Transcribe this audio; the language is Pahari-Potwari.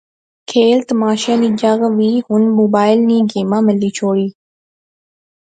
کھیل تماشیاں نی جاغ وی ہُن موبائلے نئیں گیمیں ملی شوڑی